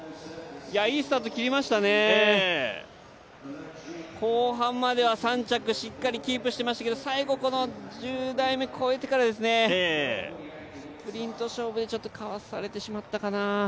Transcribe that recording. いいスタート切りましたね、後半までは３着しっかりキープしてましたけど最後、１０台目越えてから、スプリント勝負でちょっとかわされてしまったかな。